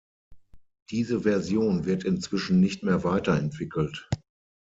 Diese Version wird inzwischen nicht mehr weiter entwickelt.